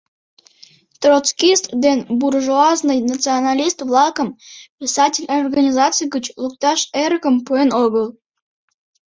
Троцкист ден буржуазный националист-влакым писатель организаций гыч лукташ эрыкым пуэн огыл.